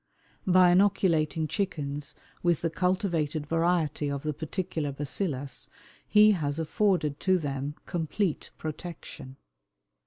By inoculating chickens with the cultivated variety of the particular "bacillus" he has afforded to them complete protection.